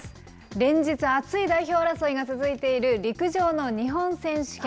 連日、熱い代表争いが続いている、陸上の日本選手権。